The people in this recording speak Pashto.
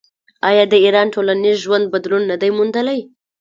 آیا د ایران ټولنیز ژوند بدلون نه دی موندلی؟